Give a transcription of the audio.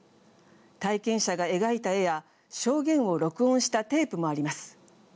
体験者が描いた絵や証言を録音したテープもあります。